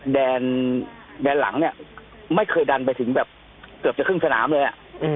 แดนหลังเนี่ยไม่เคยดันไปถึงแบบเกือบจะครึ่งสนามเลย